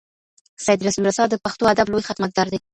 سید رسول رسا د پښتو ادب لوی خدمتګار دی.